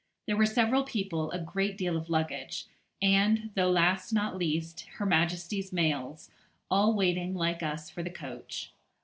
There were several people, a great deal of luggage, and, though last not least, Her Majesty's mails, all waiting, like us, for the coach.